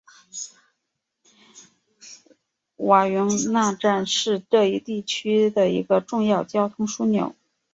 瓦永纳站是这一地区的一个重要交通枢纽。